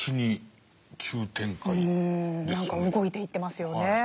なんか動いていってますよねえ。